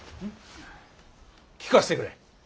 聞かせてくれ。